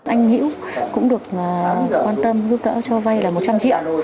anh hữu cũng được quan tâm giúp đỡ cho vay là một trăm linh triệu